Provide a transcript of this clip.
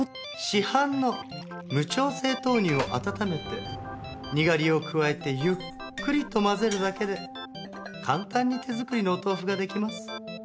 市販の無調整豆乳を温めてにがりを加えてゆっくりと混ぜるだけで簡単に手作りのお豆腐ができます。